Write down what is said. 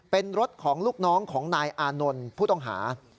เป็นรถของลูกน้องของนายอานนท์ผู้ต้องหา